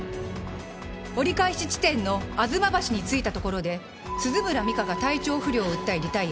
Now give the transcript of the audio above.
折り返し地点の吾妻橋に着いたところで鈴村美加が体調不良を訴えリタイア。